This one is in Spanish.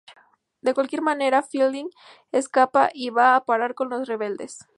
De cualquier manera, Fielding escapa y va a parar con los rebeldes.